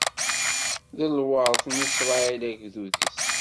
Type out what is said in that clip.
D lweṛt i Isṛayil, agdud-is.